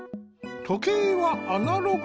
とけいはアナログ？